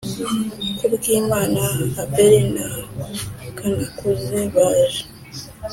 Kubwimana Abel na Kanakuze baje